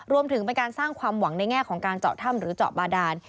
รวมถึงเป็นการสร้างความหวังในแง่ของการเจาะถ้ำหรือเจาะบาดาน